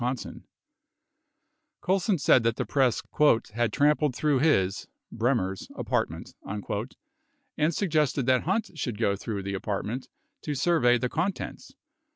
70 Colson said that the press "had trampled through his (Bremer's) apartment," 71 and suggested that Hunt should go through the apart ment to survey the contents.